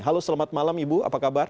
halo selamat malam ibu apa kabar